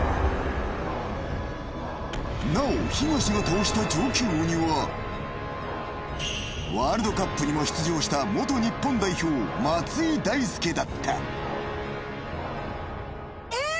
なお東が倒した上級鬼はワールドカップにも出場した元日本代表松井大輔だったえ！